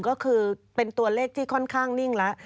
ก็คือเป็นตัวเลขที่ค่อนข้างนิ่งแล้ว